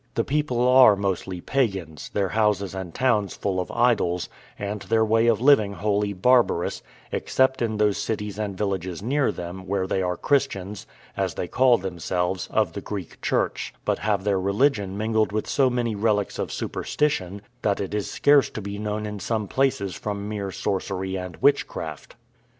The people are mostly pagans; their houses and towns full of idols; and their way of living wholly barbarous, except in the cities and villages near them, where they are Christians, as they call themselves, of the Greek Church: but have their religion mingled with so many relics of superstition, that it is scarce to be known in some places from mere sorcery and witchcraft.